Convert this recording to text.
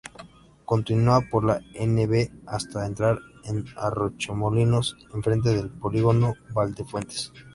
Continúa por la N-V, hasta entrar en Arroyomolinos, enfrente del Polígono Valdefuentes.